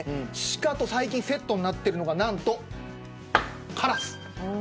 シカと最近セットになっているのが何と、カラス。